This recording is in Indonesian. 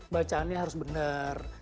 bacaannya harus bener